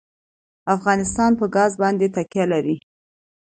افغانستان په ګاز باندې تکیه لري.